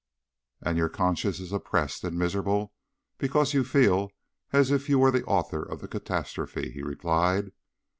"And your conscience is oppressed and miserable because you feel as if you were the author of the catastrophe," he replied.